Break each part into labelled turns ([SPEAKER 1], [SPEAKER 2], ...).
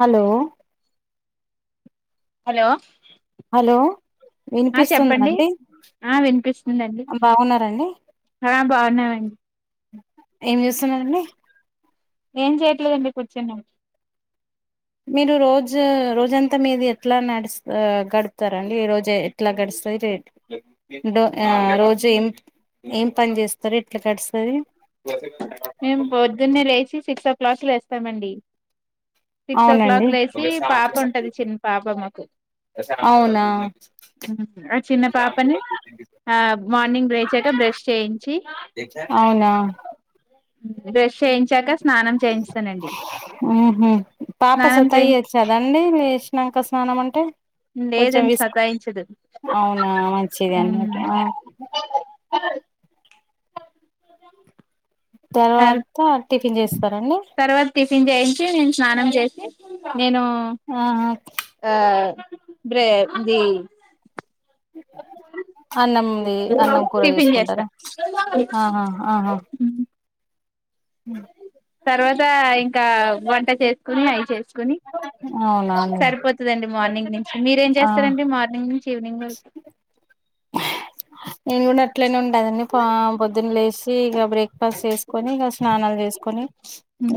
[SPEAKER 1] Hello
[SPEAKER 2] hello
[SPEAKER 1] hello
[SPEAKER 2] ఆ
[SPEAKER 1] వినిపిస్తుందా
[SPEAKER 2] చెప్పండి
[SPEAKER 1] అండి
[SPEAKER 2] ఆ వినిపిస్తుందండి
[SPEAKER 1] బాగున్నారండి
[SPEAKER 2] హ బాగున్నామండి
[SPEAKER 1] ఏం చేస్తున్నారండి
[SPEAKER 2] ఏం చెయట్లేదండి కూర్చున్నం
[SPEAKER 1] మీరు రోజు రోజంతా మీది ఎట్లా నడుస్త గడుపుతారండి ఈ రోజు ఎట్లా గడుస్ తది చె ఆ రోజు ఏం ఏం పని చేస్తారు ఎట్లా గడుస్తది
[SPEAKER 2] మేము పొద్దున్నే లేచి సిక్స్ ఓ క్లాక్ లేస్తామండి సిక్స్ ఓ క్లాక్
[SPEAKER 1] అవునండి
[SPEAKER 2] లేసి పాప ఉంటది చిన్న పాప మాకు
[SPEAKER 1] అవునా
[SPEAKER 2] ఆ చిన్న పాపని ఆ మార్నింగ్ లేచాక బ్రెష్ చేయించి
[SPEAKER 1] అవునా
[SPEAKER 2] బ్రెష్ చెయిం
[SPEAKER 1] హు హుమ్ పాప
[SPEAKER 2] స్నానం చేయి
[SPEAKER 1] సతాయించ్చదండి లే లేషినంక స్నానం అంటే కొంచెం
[SPEAKER 2] లేదని
[SPEAKER 1] విసుకు
[SPEAKER 2] సతాయించదు
[SPEAKER 1] అవునా మంచిదే అన్నమాట ఆ
[SPEAKER 2] ఆ స తర్
[SPEAKER 1] తర్వాత టిఫిన్ చేస్తారండి
[SPEAKER 2] తర్వాత టిఫిన్ చేయించి నేను స్నానం చేసి నేను
[SPEAKER 1] ఆహా
[SPEAKER 2] ఆ బ్రే ఇది
[SPEAKER 1] అన్ అన్నంది అన్నం కూర
[SPEAKER 2] టిఫిన్ చేస్తా
[SPEAKER 1] చేసుకుంటారా ఆహా ఆహా ఉ
[SPEAKER 2] తర్వాత ఇంకా వంట చేసుకొని అయి చేసుకొని
[SPEAKER 1] అవునా అండి
[SPEAKER 2] మార్నింగ్ నుంచి మీరేం
[SPEAKER 1] ఆ
[SPEAKER 2] చేస్తారండి మార్నింగ్ నుంచి ఈవినింగ్ వరకు
[SPEAKER 1] నేను కూడా అట్లనే ఉం టదండి పా పొద్దున లేసి ఇగ బ్రేక్ఫాస్ట్ చేసుకొని ఇగ స్నానాలు చేస్కోని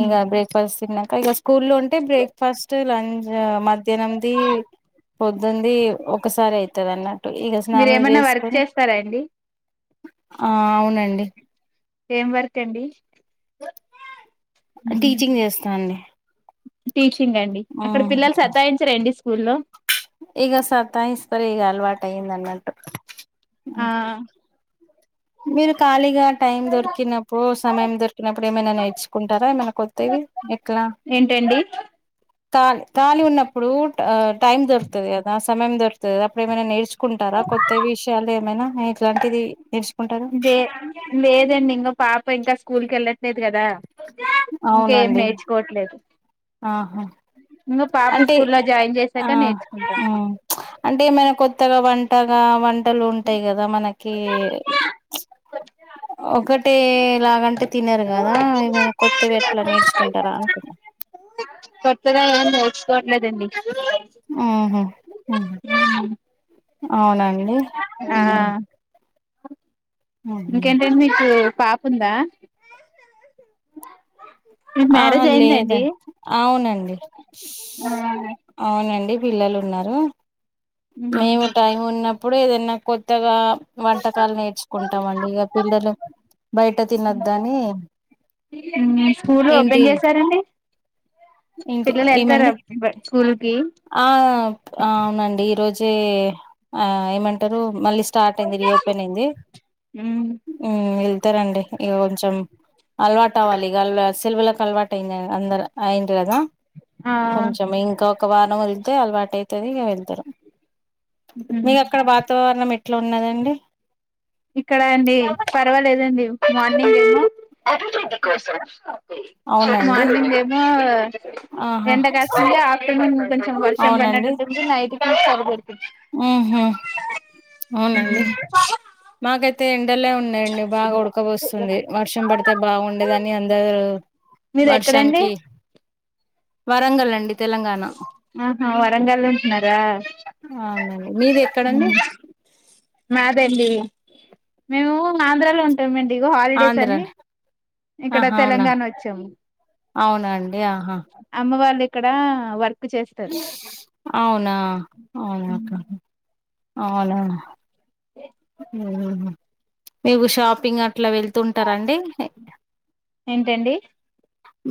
[SPEAKER 1] ఇ గా బ్రేక్ఫాస్ట్ తిన్నాక ఇక స్కూల్ లో ఉంటే బ్రేక్ఫాస్ట్ లంచ్ మధ్యాహ్నంది పొద్దుంది ఒకసారే అయితది అన్నట్టు ఇక స్నానం
[SPEAKER 2] మీరేమన్నా వర్క్
[SPEAKER 1] చేసుకొని
[SPEAKER 2] చేస్తారా అండి
[SPEAKER 1] ఆ అవునండి
[SPEAKER 2] ఏం వర్క్ అండి
[SPEAKER 1] టీచింగ్ చేస్తా అండి
[SPEAKER 2] టీచింగ్ అండి అక్కడ
[SPEAKER 1] ఉమ్
[SPEAKER 2] పిల్లలు సతాయించరా అండి స్కూల్లో
[SPEAKER 1] ఇగ సతాయిస్తరు ఇగ అలవాటు అయింది అన్నట్టు
[SPEAKER 2] ఆ
[SPEAKER 1] మీరు కాళీఘాట్ టైం దొరికినప్పుడు సమయం దొరికినప్పుడు ఏమైనా నేర్చుకుంటారా ఏమైనా కొ వత్తేవి ఎట్లా
[SPEAKER 2] ఏంటండి
[SPEAKER 1] తాళి తాళి ఉన్నప్పుడు టైమ్ దొరుతుంది కదా అస సమయం దొరుతుంది అప్పుడు ఏమైనా నేర్చుకుంటారా కొత్త విషయాలు ఏమైనా ఇలాంటిది నేర్చు
[SPEAKER 2] వే లేదండి ఇంకా పాప ఇంకా స్కూల్కి వెళ్ళట్లేదు కదా ఇంకేం
[SPEAKER 1] అవునండి
[SPEAKER 2] నేర్చుకోవట్లేదు
[SPEAKER 1] ఆహా
[SPEAKER 2] ఇంగ పాప
[SPEAKER 1] అంటే
[SPEAKER 2] స్కూల్లో జాయిన్
[SPEAKER 1] ఆ
[SPEAKER 2] చేసాక నేర్చుకుంటాం
[SPEAKER 1] అంటే ఏమైనా కొత్తగా వంట అత్తగా వంటలు ఉంటాయి కదా మనకి ఒకటే లాగంటే తినరు కదా ఏవైనా కొత్తవి ఎట్లా నేర్చుకుంటారా అంటున్నా
[SPEAKER 2] కొతుదా నోకోడ్లేదం
[SPEAKER 1] ఆహ
[SPEAKER 2] ఆ
[SPEAKER 1] అవునండి
[SPEAKER 2] ఆ
[SPEAKER 1] హ్మ్. హుహు.
[SPEAKER 2] ఇంకేంటండి మీకు పాప ఉందా మీకు
[SPEAKER 1] ఆహా
[SPEAKER 2] మ్యారేజ్
[SPEAKER 1] లేద
[SPEAKER 2] అయిందండి
[SPEAKER 1] అవునండి అవునండి పిల్లలు ఉన్నారు మేము టైం ఉన్నప్పుడు ఏదన్నా కొత్తగా వంటకాలు నేర్చుకుంటామ అండి ఇక పిల్లలు బయట తినద్దని
[SPEAKER 2] స్కూల్ ఓపెన్ చేసారంండి
[SPEAKER 1] ఇంక ఏమండి
[SPEAKER 2] స్కూల్ కి
[SPEAKER 1] ఆ అవునండి ఈరోజు ఏమ మళ్ళీ స్టార్ట్ అయింది రిపెన్ అయింది తారంండి ఇక కొంచెం అలవాటు అవ్వాలి ఇక అల్వా సిల్వులకు అలవాటు అంద ఐండలదా
[SPEAKER 2] ఆ
[SPEAKER 1] కొంచెం ఇంకా ఒక వారం వెళతే అలవాటు అైతుంది ఇక వెళ్తారు మీకు అక్కడ వాతావరణం ఎట్లా ఉన్నదండి
[SPEAKER 2] ఇక్కడ అండి పర్వాలేదండి మార్నింగ్ ఐన
[SPEAKER 1] అవునండి
[SPEAKER 2] మార్నింగ్ ఏమో
[SPEAKER 1] ఆహా
[SPEAKER 2] ఎండకా అంటే ఆఫ్టర్నూన్ కొంచెం వర్షం పడినట్ంది నైట్ పెడుతుంది
[SPEAKER 1] ఊ హూ
[SPEAKER 2] [unintelligible]
[SPEAKER 1] మాకైతే ఎండలే ఉన్నాయండి బాగా ఉడకబోస్తుంది వర్షం పడితే బాగుండేదని అందరు
[SPEAKER 2] మీరు ఎక్కడండి
[SPEAKER 1] వర్షానికి వరంగలండి
[SPEAKER 2] ఆహా వరంగాల్ ఉంటున్నారా
[SPEAKER 1] అవునండి మీది ఎక్కడండి
[SPEAKER 2] మాదల్లి మేము ఆంధ్రాలో ఉంటామండి ఇ హాలిడేస్
[SPEAKER 1] ఆంధ్ర
[SPEAKER 2] అని ఇక్కడ
[SPEAKER 1] ఆహా అవునా
[SPEAKER 2] తెలంగాణ వచ్చాము
[SPEAKER 1] అవునా అండి ఆహా
[SPEAKER 2] అమ్మ వాళ్ళు ఇక్కడ వర్
[SPEAKER 1] అవునా అవునా అవునా మీకు షాపింగ్ అట్లా వెళ్తుంటారండి
[SPEAKER 2] ఏంటండి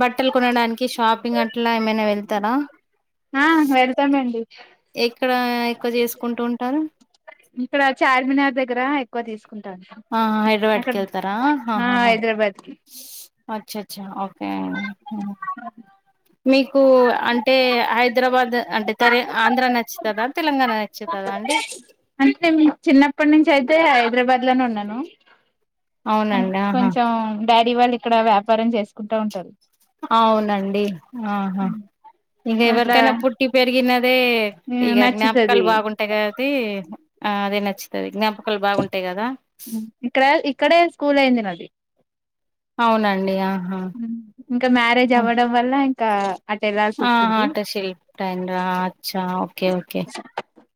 [SPEAKER 1] బట్టలు కొనడానికి షాపింగ్ అట్లా ఏమైనా వెళ్తారా
[SPEAKER 2] ఆ వెళ్తామండి
[SPEAKER 1] ఎక్కడ ఎక్కువ చేసుకుంటూ ఉంటారు
[SPEAKER 2] ఇక్కడ చార్మినార్ దగ్గర ఎక్కువ తీసుకు
[SPEAKER 1] ఆ హైదరాబాద్కిళ్తారా అహ
[SPEAKER 2] ఆ
[SPEAKER 1] హ
[SPEAKER 2] హైదరాబాద్ కి
[SPEAKER 1] అచ్చచ్చ ఓకే హుహు.
[SPEAKER 2] హ
[SPEAKER 1] మీకు అంటే హైదరాబాద్ అంటే తరే ఆంధ్ర నచ్చి కదా తెలంగాణ నచ్చి కదా అండి
[SPEAKER 2] అంటే నేను చిన్నప్పటి నుంచి అయితే హైదరాబాద్ లోనే ఉన్నాను అంటే
[SPEAKER 1] అవునండి ఆహా
[SPEAKER 2] కొంచెం డాడీ వాళ్ళు ఇక్కడ వ్యాపారం చేసుకుంటా ఉంటారు
[SPEAKER 1] అవునండి ఆహా ఇగా
[SPEAKER 2] అట్లా
[SPEAKER 1] ఎవరికైనా పుట్టి పెరిగినదే ఇగా జ్ఞాపకాలు
[SPEAKER 2] నచ్చుతది
[SPEAKER 1] బాగుంటాయి కదా ఆ అదే నచ్చుతుది ఎగ్జ
[SPEAKER 2] మ్ ఇక్కడ ఇక్కడే స్కూల్ అయింది నాది
[SPEAKER 1] అవునండి ఆహా
[SPEAKER 2] ఇంకా మ్యారేజ్
[SPEAKER 1] హ్మ్.
[SPEAKER 2] అవ్వడం వల్ల ఇంకా అటు వెళ్లాల్సి వచ్చింది
[SPEAKER 1] ఆట శిల్ ట అచ్చ ఓకే ఓకే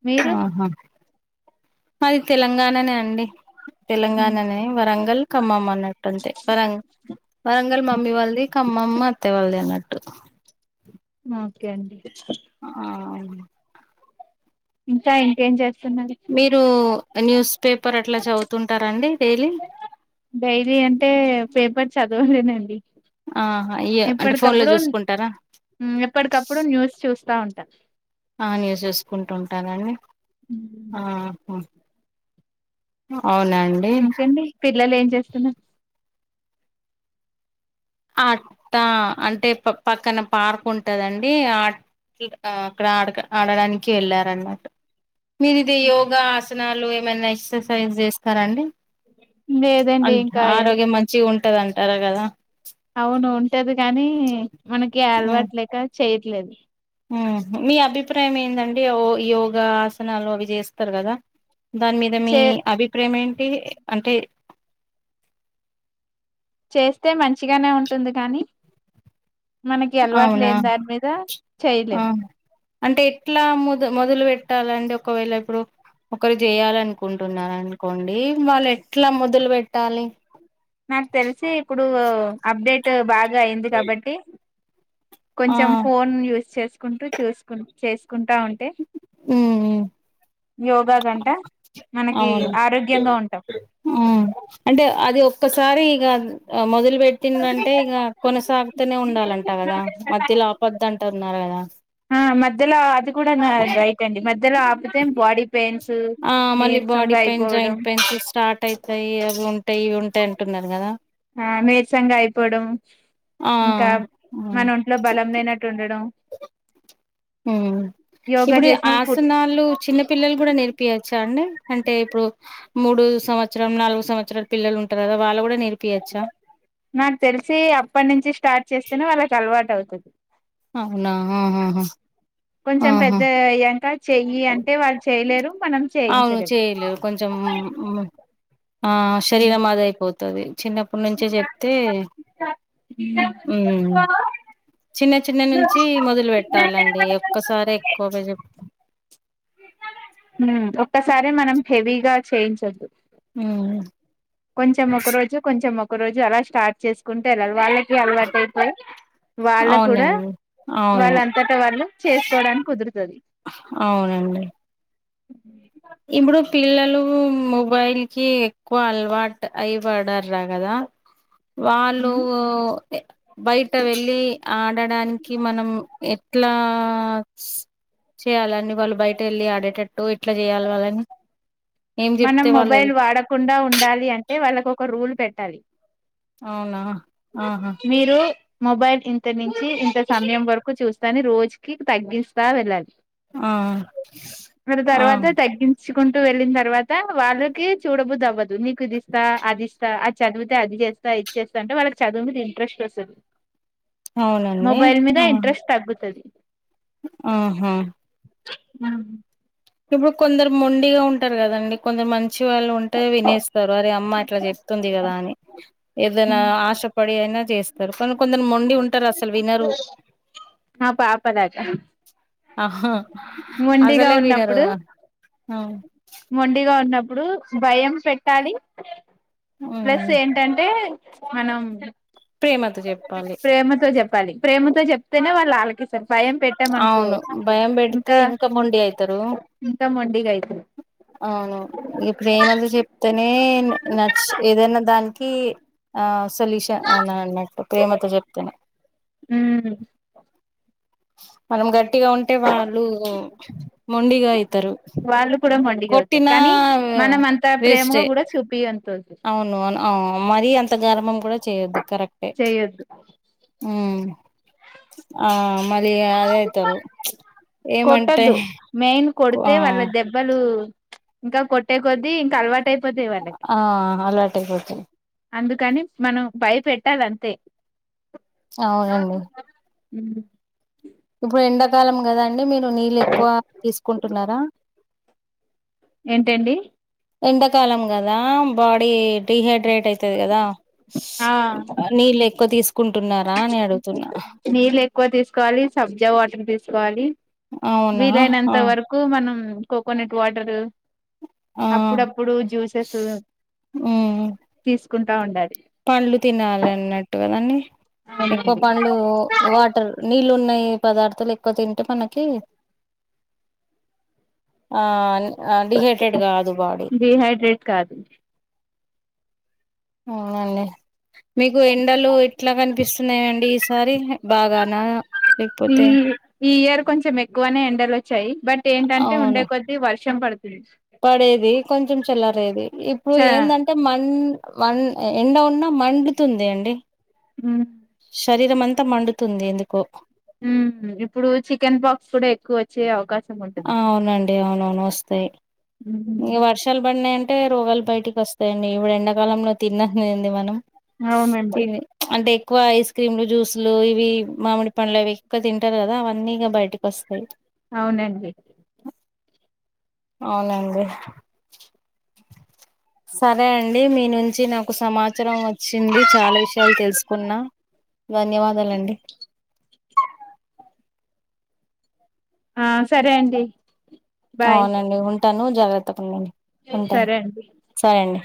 [SPEAKER 2] మీరు
[SPEAKER 1] ఆహా అ [inaudible] తెలంగాణనే అండి తెలంగాణనే వరంగల్ ఖమ్మం అన్నట్టుంటే వరం వరంగల్ మమ్మీ వాళ్ళది ఖమ్మమం మా అత్తయ్య వాళ్లది అన్నట్టు
[SPEAKER 2] ఓకే అండి
[SPEAKER 1] ఆ
[SPEAKER 2] ఇంకాా ఇంటి ఏం చేస్
[SPEAKER 1] మీరు న్యూస్ పేపర్ అట్లా చదువుతుంటారండి డైలీ
[SPEAKER 2] డైరీ అంటే పేపర్ చదవలేనండి
[SPEAKER 1] ఆహా ఇయ అంటే ఫోన్ లో
[SPEAKER 2] ఎప్పటికప్పుడు
[SPEAKER 1] చూసుకుంటారా
[SPEAKER 2] ఎప్పటికప్పుడు న్యూస్ చూస్తా ఉంటాంది
[SPEAKER 1] ఆ న్యూ చేేసుకుంటుంటానండి ఆ అ
[SPEAKER 2] ఇంకేండి పిల్లలు ఏం చేస్తున్నారు
[SPEAKER 1] అట్టా అంటే ప పక్కన పార్క్ ఉంటదండి ఆ ఆ అక్కడ ఆడ ఆడడానికి వెళ్ళారన్నమాట మీరు ఇది యోగా ఆసనాలు ఎక్ససైజ్ చేస్తారండి అే
[SPEAKER 2] లేదండి ఇంకా
[SPEAKER 1] ఆరోగ్యం మంచి ఉంటు వునట్టదంటారా కదా
[SPEAKER 2] అవును ఉంటది కాగానీ మనకి
[SPEAKER 1] ఉమ్
[SPEAKER 2] అలవాటులేక చేయట్లేదు
[SPEAKER 1] మీ అభిప్రాయం ఏందండి యోగ ఆసనాలు అవి చేస్తారు కదా దాని మీద మీ
[SPEAKER 2] చే
[SPEAKER 1] అభిప్రాయం ఏంటి అంటే
[SPEAKER 2] చేస్తే మంచిగానే ఉంటుంది గని మనకి అలవాటు
[SPEAKER 1] అవునా
[SPEAKER 2] లేని దాని మీద
[SPEAKER 1] ఆ
[SPEAKER 2] చేయలేము
[SPEAKER 1] అంటే ఎట్లా మోద్ మొదలు పెట్టాలండి ఒకవేళ ఇప్పుడు ఒకరు చేయాల అనుకుంటున్నార అనుకోండి వాళ్ళు ఎట్లా మొదలు పెెట్టాలి
[SPEAKER 2] నాకు తెలిసి ఇప్పుడు అప్డేట్ బాగా అయింది కాబట్టి
[SPEAKER 1] ఆ
[SPEAKER 2] కొంచెం ఫోన్ యూస్ చేసుకుంటూ చూసుకు చే కుంటా ఉంటే
[SPEAKER 1] ఉమ్ ఉమ్
[SPEAKER 2] యోగా కంట
[SPEAKER 1] అవును ఆ అంటే అది ఒక్కసారి ఇగ మొదలు పెట్టిందంటే ఇక కొనసాగుతునే ఉండాలంట కదా మధ్యలో ఆపద్ంట న్నారు కదా
[SPEAKER 2] ఆ మధ్యల అది కూడా రై రైట్ అండి మధ్యల ఆపితేం బాడీ పెయిన్
[SPEAKER 1] ఆ మళ్ళీ body pains joint pains start అయి ర్రాయి అవి ఉంటాయి ఇవి ఉంటాయి అంటున్నారు గాదా
[SPEAKER 2] నేరరుసంగా అయిపోడం
[SPEAKER 1] ఆ
[SPEAKER 2] ఇంకా మన ఒంట్లో బలం లేనట్టు ఉండడం యోగా
[SPEAKER 1] ఇప్పుడు
[SPEAKER 2] చేసినప్పుడు ఫుడ్
[SPEAKER 1] ఆసనాలు చిన్న పిల్లలు కూడా నేర్పియచ్చు అండి అంటే ఇప్పుడు మూడు సంవత్సరం నాలుగు సంవత్సరలు పిల్లలు ఉంటారు కదా వాళ్ళ కూడా నేర్పియచ్చా
[SPEAKER 2] నాకు తెలిసి అప్పటి నుంచి స్టార్ట్ చేస్తేనే వాళ్ళకి అలవాటు అవుతుది
[SPEAKER 1] అవునా ఆ హ
[SPEAKER 2] కొంచెం పెద్ద అయ్యాంక చెయ్యి అంటే వాళ్ళు చెయలేరు
[SPEAKER 1] అవును చేయలేదు కొంచెం మ్ ఆ శరీరం అధై అయిపోతాది చిన్నప్పుటి నుంచే చెప్తే మ్ చిన్న చిన్న నుంచి మొదలు పెెట్టాలండి ఒక్కసారి ఎక్కువగా చెప్
[SPEAKER 2] మ్ ఒక్కసారే మనం హెవీగా చేయించొద్దు
[SPEAKER 1] హ్మ్
[SPEAKER 2] కొంచెం ఒక రోజు కొంచెం ఒక రోజు అలా స్టార్ట్ చేసుకుంటేళ్ళలి వాళ్లక్ కి అలవాటైపోయి వాళ్ళ కూడా
[SPEAKER 1] అవునండి అవును
[SPEAKER 2] వాళ్ళంతటా వాళ్ళు చేసుకోవడానికి కుదురుతది
[SPEAKER 1] అండి
[SPEAKER 2] అ [inaudible]
[SPEAKER 1] ఇప్పుడు పిల్లలు మొబైల్ కి ఎక్కువ అలువాటై అయి పడర్ కదా వాళ్ళు బయట వెళ్ళి ఆడడానికి మనం ఎట్లా చేయాలని వాళ్ళు బయటేల్లి ఆడేటట్టు ఎట్లా చేయాలి వాళ్ళని ఏం
[SPEAKER 2] మనం
[SPEAKER 1] చెప్తే వాళ్ళు వెళ్
[SPEAKER 2] మొబైల్ వాడకుండా ఉండాలి అంటే వాళ్ళకు ఒక రూల్ పెట్టాలి
[SPEAKER 1] అవునా ఆహా
[SPEAKER 2] మీరు మొబైల్ ఇంత నుంచి ఇంత సమయం వరకు చూస్తాని రోజుకి తగ్గిస్తా వెళ్ళాలి
[SPEAKER 1] ఆ
[SPEAKER 2] మరి
[SPEAKER 1] ఆ
[SPEAKER 2] తర్వాత తగ్గించ్ తెచ్చుకుంటూ వెళ్ళిన తర్వాత వాళ్ళకి చూడబుద్దవ్ అవ్వదు నీకు ఇది ఇస్తా అది ఇస్తా అది చదివితే అది చేస్తా ఇదిచేస్తా అంటే వాళ్ళక చదువు మీద ఇంట్రెస్ట్ వస్తది
[SPEAKER 1] అవునండి
[SPEAKER 2] మొబైల్ మీద
[SPEAKER 1] ఆ
[SPEAKER 2] ఇంట్రెస్ట్ తగ్గుతది
[SPEAKER 1] ఆహా
[SPEAKER 2] ఆ
[SPEAKER 1] ఇప్పుడు కొందరు మొండిగా ఉంటారు కదండి కొందరు మం చి వాళ్ళు ఉంటే వినేస్తారు అరె అమ్మ అట్లా చెప్తుంది కదా అని ఏదైనా ఆశపడి అయినా చేస్తారు కని కొందరు మొండి ఉన్
[SPEAKER 2] ఆ పాపనట
[SPEAKER 1] ఆహా
[SPEAKER 2] మడిగా
[SPEAKER 1] అసలే
[SPEAKER 2] ఉన్నప్
[SPEAKER 1] వినరు ఆ ఆ
[SPEAKER 2] మొండిగా ఉన్నప్పుడు భయం పెట్టాలి ప్లస్
[SPEAKER 1] మ్మ్
[SPEAKER 2] ఏంటంటే మనం
[SPEAKER 1] ప్రేమతో చెప్పాలి
[SPEAKER 2] పలి ప్రేమతో చెప్తేనే వాళ్ళు ఆలాక్కీస్తారు భయం పెట్టామనుకో
[SPEAKER 1] అవును భయం పెడితే
[SPEAKER 2] ఇంకా
[SPEAKER 1] మొండి అయితారు
[SPEAKER 2] ఇంకా మొండిగైతర్
[SPEAKER 1] అవును ప్రేమగా చెప్తేనే న నచ్ ఏదైనా దానిక్ కి ఆ సోల్యూష అన్ అనన్నట్టు ప్రేమతో చెప్తేనే
[SPEAKER 2] ఉమ్
[SPEAKER 1] మనం గట్టిగా ఉంటే వాళ్ళు మొండిగా ఇయి తరు
[SPEAKER 2] వాళ్ళు కూడా మొండిగా అవుతారు
[SPEAKER 1] కొట్టిన
[SPEAKER 2] కానీ మనం అంత
[SPEAKER 1] వేస్ట్
[SPEAKER 2] ప్రేమగా కూడా చూపియద్దు
[SPEAKER 1] అవునువును అవు మరీ అంత గర్భం కూడా చేయొద్దు కరెక్టే
[SPEAKER 2] చేయొద్దు
[SPEAKER 1] మ్ అ మళ్ళీ అదైతారు
[SPEAKER 2] కొట్టదు మెయిన్
[SPEAKER 1] ఆ
[SPEAKER 2] కొడితె వాళ్ళ దెబ్బలు ఇంకా కొట్టే కొద్దీ ఇంకా అలవాటైపోతాయ్ వాళ్ళకి
[SPEAKER 1] ఆ అలవాటు అయిపోతుంది
[SPEAKER 2] అందుక్ కానీ మనం భయపెట్టాలి అంతే
[SPEAKER 1] అవునండి
[SPEAKER 2] మ్
[SPEAKER 1] ఇప్పుడు ఎండాకాలం కదా అండి మీరు నీళ్ళు ఎక్కువ తీసుకుంటున్నారా
[SPEAKER 2] ఎంటేంటి
[SPEAKER 1] ఎండకాలం కదా బాడీ డిహైడ్రేట్ అయితది కదా స్
[SPEAKER 2] ఆ
[SPEAKER 1] అబ్బా నీళ్ళు ఎక్కువ తీసుకు
[SPEAKER 2] నీళ్ళు ఎక్కువ తీసుకోవాలి సబ్జా వాటర్ తీసుకోవాలి
[SPEAKER 1] అవునా
[SPEAKER 2] వీలైనంత
[SPEAKER 1] ఆ
[SPEAKER 2] వరకు మనం కోకోనట్ వాటరు
[SPEAKER 1] ఆ
[SPEAKER 2] అప్పుడప్పుడు జ్యూసెస్
[SPEAKER 1] ఉమ్
[SPEAKER 2] తీసుకుంటా ఉండాలి
[SPEAKER 1] పండ్లు తినాలి అన్నట్టు కదండీ ఎక్కువ
[SPEAKER 2] అవునండి
[SPEAKER 1] పండ్లు వాటర్ నీళ్ళు ఉన్నాయి పదార్ధాలు ఎక్కువ తింటే మనకి ఆ ఆ డిహైట్రేడ్ కాదు బాడీ
[SPEAKER 2] డిహైడ్రేట్ కాదు
[SPEAKER 1] అవునండి మీకు ఎండలు ఎట్లా కనిపిస్తున్నాయిండి ఒకసారి బాగానా
[SPEAKER 2] ఈ
[SPEAKER 1] లేకపోతే
[SPEAKER 2] ఈ ఇయర్ కొంచెం ఎక్కువనే ఎండలు వచ్చాయి బట్ ఏంటంటే ఉండే
[SPEAKER 1] అవును
[SPEAKER 2] కొద్ది వర్షం పడు
[SPEAKER 1] పడేది కొంచెం చెల్లరేది ఇప్పుడు
[SPEAKER 2] చ
[SPEAKER 1] ఏందం టే మన్ మం ఎండ ఉన్నా మండుతుంది అండి
[SPEAKER 2] ఉమ్
[SPEAKER 1] శరీరం అంతా మండుతుంది ఎందుకో
[SPEAKER 2] ఉం ఇప్పుడు చికెన్ పాక్స్ కూడా ఎక్కువ వచ్చే అవకాశం ఉంటుంది
[SPEAKER 1] అవునండి అవునవును వస్తాయి
[SPEAKER 2] ఉమ్,
[SPEAKER 1] ఇగా వర్షాలు పడినాయంటే రోగాలు బయటికి వస్తాయండి ఇప్పుడు ఎండాకాలంలో తిన్నదింది మనం స్
[SPEAKER 2] అవునండి
[SPEAKER 1] ఇది [unintelligible] అంటే ఎక్కువ ఐస్ క్రీమ్లు జ్యూస్ లు ఇవి మామిడి పండ్లు అవి ఎక్కువ తింటారు కదా అవన్నీ ఇగ బయటకి వస్తాయి
[SPEAKER 2] అవునండి
[SPEAKER 1] అవునండి సరే అండి మీ నుంచి నాకు సమాచారం వచ్చింది చాలా విషయాలు తెలుసుకున్నా ధన్యవాదాలండి
[SPEAKER 2] ఆ సరే అండి బాయ్
[SPEAKER 1] అవునండి ఉంటాను జాగ్రత్త ఉండండి ఉంటాను
[SPEAKER 2] సరే అండి
[SPEAKER 1] సరే అండి